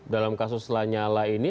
dalam kasus lanyala ini